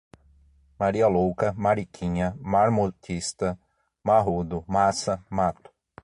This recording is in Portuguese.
maria louca, mariquinha, marmotista, marrudo, massa, mato